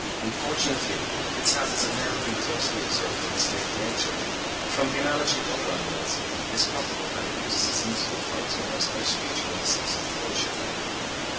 Unfortunately, its habits have never been closely observed in a state of nature; but from the analogy of other animals, it is probable that it uses its musical powers more especially during the season of courtship.